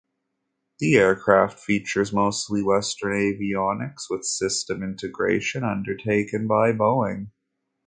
The aircraft features mostly Western avionics, with systems integration undertaken by Boeing.